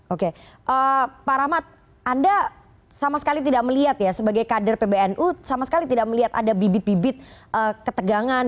oke pak rahmat anda sama sekali tidak melihat ya sebagai kader pbnu sama sekali tidak melihat ada bibit bibit ketegangan